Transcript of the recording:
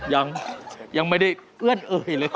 ยังยังไม่ได้เอื้อนเอ่ยเลย